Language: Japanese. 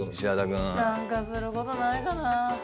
なんかする事ないかな。